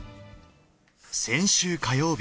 先週火曜日。